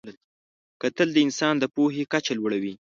کتل د انسان د پوهې کچه لوړوي